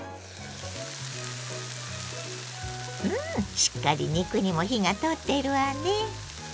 うんしっかり肉にも火が通っているわね。